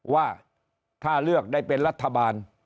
ว่าถ้าเลือกได้เป็นรัฐบาล